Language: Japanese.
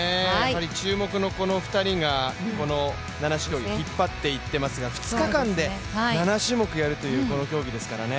注目のこの２人が七種競技を引っ張っていっていますが２日間で７種目やるという、この競技ですからね。